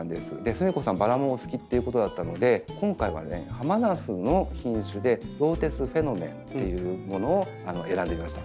すみこさんバラもお好きっていうことだったので今回はねハマナスの品種でローテスフェノメンというものを選んでみました。